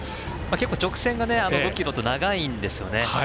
結構、直線が５ｋｍと長いんですよね。